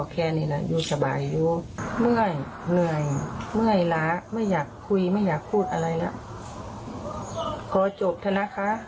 ขอวันสื่อเถอะหยุดเถอะ